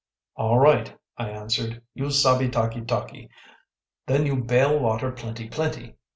‚ÄĚ “All right,‚ÄĚ I answered. “You sabbe talkee talkee, then you bail water plenty plenty.